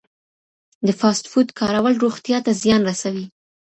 د فاسټ فوډ کارول روغتیا ته زیان رسوي.